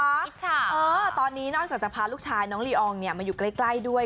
อิจฉาตอนนี้นอกจากจะพาลูกชายน้องลีอองมาอยู่ใกล้ด้วย